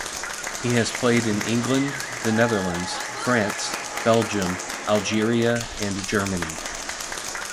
He has played in England, the Netherlands, France, Belgium, Algeria and Germany.